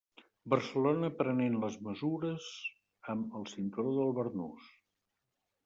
Barcelona prenent les mesures amb el cinturó del barnús.